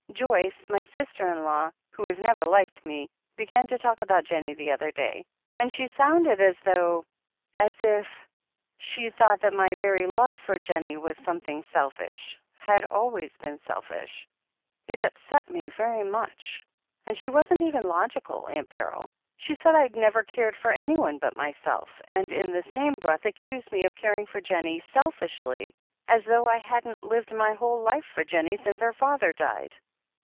Joyce — ^my sister in law — ^who has never liked me — began to talk about Jennie the other day. And she soimded as though — ^as <(1 436 THE HEEL OF ACHILLES if — she thought that my very love for Jennie was some thing selfish — had always been selfish. It upset me very much. And she wasn't even logical, Aunt BeryL She said I'd never cared for anyone but m3rself, and in the same breath accused me of caring for Jennie selfishly — ^as though I hadn't lived my whole life for Jennie since her father died.